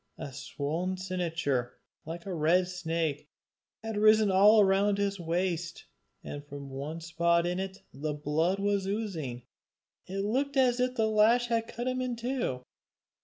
A swollen cincture, like a red snake, had risen all round his waist, and from one spot in it the blood was oozing. It looked as if the lash had cut him in two.